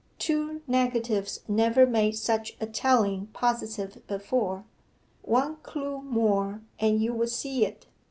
Two negatives never made such a telling positive before. One clue more, and you would see it.